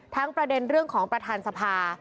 ประเด็นเรื่องของประธานสภา